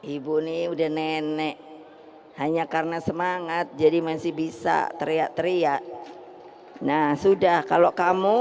ibu nih udah nenek hanya karena semangat jadi masih bisa teriak teriak nah sudah kalau kamu